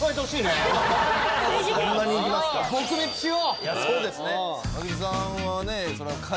いやそうですね。